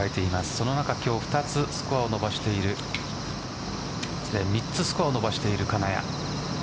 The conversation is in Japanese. その中、今日３つスコアを伸ばしている金谷。